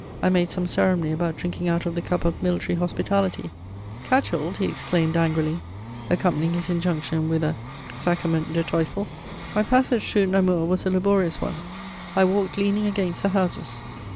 I made some ceremony about drinking out of the cup of military hospitality: "Catch hold!" he exclaimed angrily, accompanying his injunction with a Sackerment der Teufel! My passage through Namur was a laborious one: I walked leaning against the houses.